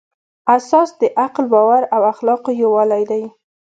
اساس د عقل، باور او اخلاقو یووالی دی.